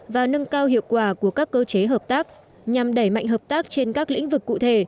và nâng cao hiệu quả của các cơ chế hợp tác nhằm đẩy mạnh hợp tác trên các lĩnh vực cụ thể